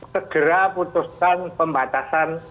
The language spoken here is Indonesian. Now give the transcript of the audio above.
segera putuskan pembatasan